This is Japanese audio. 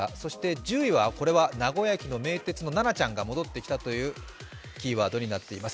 １０位は名古屋駅のナナちゃんが戻ってきたというキーワードです。